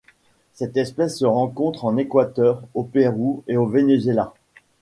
Cette espèce se rencontre en Équateur, au Pérou et au Venezuela.